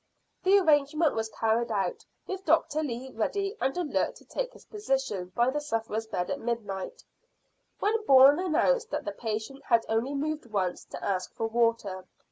The arrangement was carried out, with Doctor Lee ready and alert to take his position by the sufferer's bed at midnight, when Bourne announced that the patient had only moved once, to ask for water.